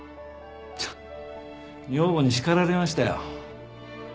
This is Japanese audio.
女房に叱られましたよ。